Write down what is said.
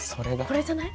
これじゃない？